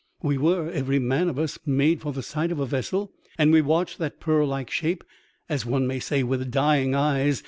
We were, every man of us, mad for the sight of a vessel, and we watched that pearl like shape as one may say with dying eyes.